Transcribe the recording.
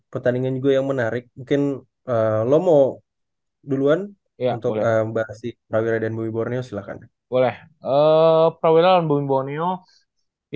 mengejutkan si dewa ini